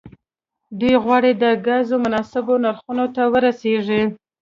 دوی غواړي د ګازو مناسبو نرخونو ته ورسیږي